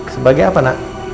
sebagai apa nak